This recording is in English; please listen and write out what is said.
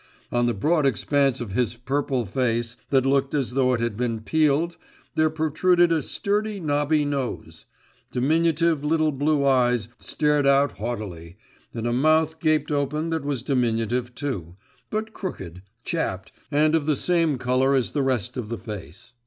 On the broad expanse of his purple face, that looked as though it had been peeled, there protruded a sturdy knobby nose; diminutive little blue eyes stared out haughtily, and a mouth gaped open that was diminutive too, but crooked, chapped, and of the same colour as the rest of the face.